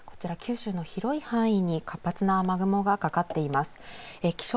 台風の中心から離れた九州の広い範囲に活発な雨雲がかかっています。